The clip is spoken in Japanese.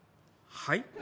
はい？